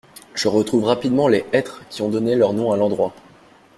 Je retrouve rapidement les hêtres qui ont donné leur nom à l’endroit.